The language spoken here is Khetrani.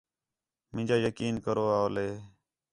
مینجا یقین کرو اَولے